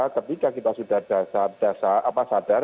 ketika kita sudah sadar